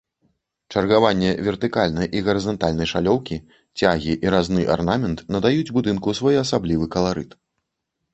Чаргаванне вертыкальнай і гарызантальнай шалёўкі, цягі і разны арнамент надаюць будынку своеасаблівы каларыт.